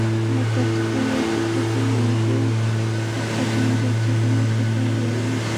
আবার তথ্যপ্রযুক্তির প্রসার মানুষের আর্থসমাজিক জীবনে সুফল বয়ে আনছে, সঙ্গে আনছে বিড়ম্বনাও।